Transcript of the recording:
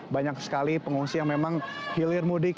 banyak sekali pengungsi yang memang hilir mudik